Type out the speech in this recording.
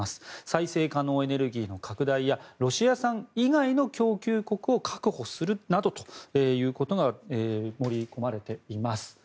再生可能エネルギーの拡大やロシア産以外の供給国を確保することなどが盛り込まれています。